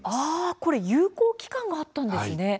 これには有効期間があったんですね。